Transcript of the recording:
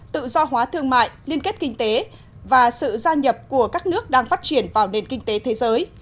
tự do hóa thương mại liên kết kinh tế và sự gia nhập của các nước đang phát triển vào nền kinh tế thế giới